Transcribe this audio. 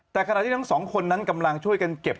แต่ขณะที่ทั้งสองคนนั้นกำลังช่วยกันเก็บ